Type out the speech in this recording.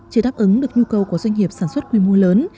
chưa đáp ứng được nhu cầu của doanh nghiệp sản xuất quy mô lớn